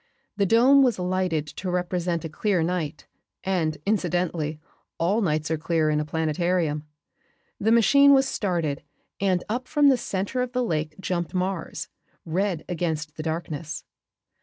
The dome was lighted to represent a clear night, and, incidentally, all nights are clear in a planetarium. The machine was started and up from the center of the Lake jumped Mars, red against the darkness.